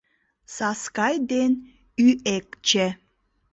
САСКАЙ ДЕН ӰЭКЧЕ